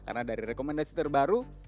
karena dari rekomendasi terbaru